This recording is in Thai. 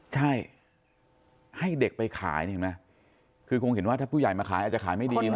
ใช่ให้เด็กไปขายนี่เห็นไหมคือคงเห็นว่าถ้าผู้ใหญ่มาขายอาจจะขายไม่ดีนะ